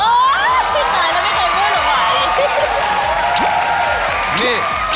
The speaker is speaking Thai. อ๋อไหนแล้วไม่เคยพูดหรือไหว